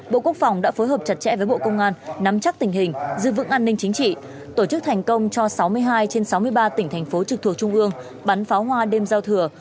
bộ quốc phòng đã phối hợp chặt chẽ với bộ công an nắm chắc tình hình giữ vững an ninh chính trị tổ chức thành công cho sáu mươi hai trên sáu mươi ba tỉnh thành phố trực thuộc trung ương bắn pháo hoa đêm giao thừa